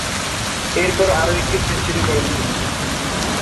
এরপর, আরও একটি সেঞ্চুরি করেন তিনি।